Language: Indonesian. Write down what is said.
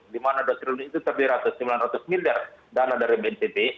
di mana dua triliun itu terdiri atas sembilan ratus miliar dana dari bnpb